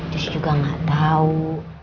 just juga gak tau